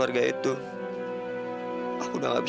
ambil si rangers